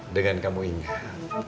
dengan kamu ingat